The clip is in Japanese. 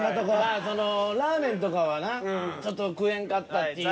ラーメンとかはなちょっと食えんかったっていう。